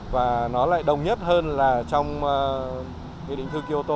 và nó lại đồng nhất hơn là trong nghị định thư kyoto